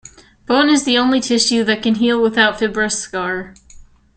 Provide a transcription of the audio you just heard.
Bone is the only tissue that can heal without a fibrous scar.